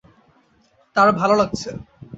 তাঁর ভালো লাগছে।